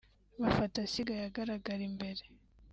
bafata asigaye agaragara imbere